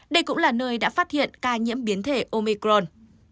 đây cũng là nơi đã phát hiện ca nhiễm biến thể omicron